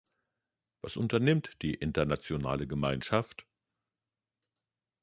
Was unternimmt die internationale Gemeinschaft?